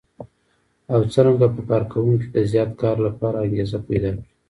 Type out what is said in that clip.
او څرنګه په کار کوونکو کې د زیات کار لپاره انګېزه پيدا کړي.